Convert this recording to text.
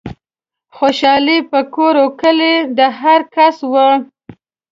خوشحالي په کور و کلي د هرکس وه